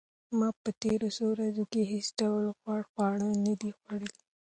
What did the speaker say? ما په تېرو څو ورځو کې هیڅ ډول غوړ خواړه نه دي خوړلي.